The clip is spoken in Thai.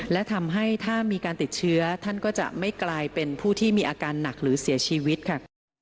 และทำให้ถ้ามีการติดเชื้อท่านก็จะไม่กลายเป็นผู้ที่มีอาการหนักหรือเสียชีวิตค่ะ